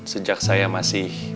sejak saya masih